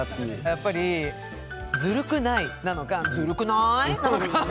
やっぱり「ズルくない」なのか「ズルくない」なのか